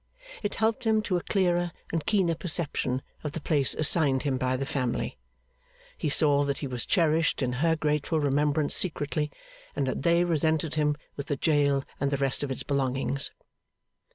It helped him to a clearer and keener perception of the place assigned him by the family. He saw that he was cherished in her grateful remembrance secretly, and that they resented him with the jail and the rest of its belongings.